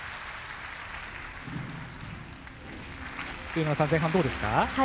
上村さん、前半どうですか？